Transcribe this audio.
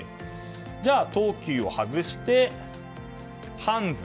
じゃあ、東急を外してハンズ。